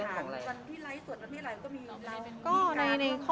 วันที่ไลฟ์ตรวจมันเมื่อไหร่ก็มีเราก็มีการ